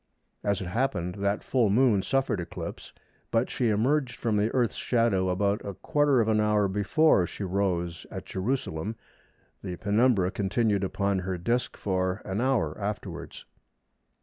As it happened, that full Moon suffered eclipse, but she emerged from the Earth's shadow about a quarter of an hour before she rose at Jerusalem (6 h. 36 m. p.m.): the penumbra continued upon her disc for an hour afterwards.